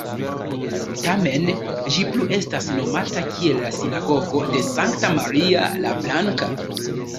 Tamen ĝi plu estas nomata kiel la "Sinagogo de Sankta Maria la Blanka".